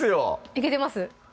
いけてます？